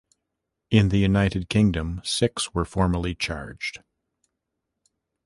In the United Kingdom, six were formally charged.